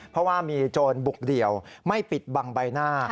เพราะว่ามีโจรบุกเดี่ยวไม่ปิดบังใบหน้า